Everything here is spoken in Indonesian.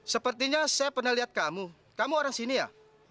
sepertinya saya pernah lihat kamu kamu orang sini ya